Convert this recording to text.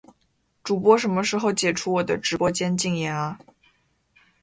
主播什么时候解除我的直播间禁言啊